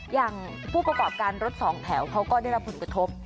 อย่างผู้ประกอบการรถสองแถวเขาก็ได้รับผลกระทบ